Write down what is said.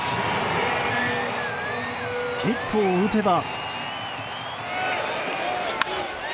ヒットを打てば。